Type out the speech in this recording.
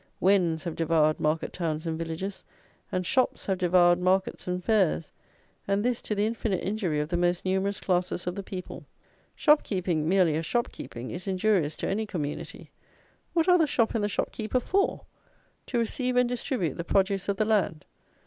Wens have devoured market towns and villages; and shops have devoured markets and fairs; and this, too, to the infinite injury of the most numerous classes of the people. Shop keeping, merely as shop keeping, is injurious to any community. What are the shop and the shop keeper for? To receive and distribute the produce of the land.